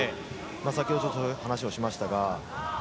先ほどそういう話をしましたが。